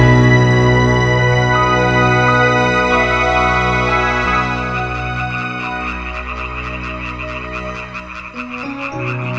ini dia namanya f minder